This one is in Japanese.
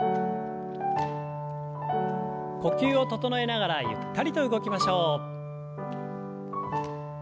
呼吸を整えながらゆったりと動きましょう。